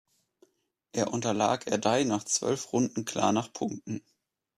Er unterlag Erdei nach zwölf Runden klar nach Punkten.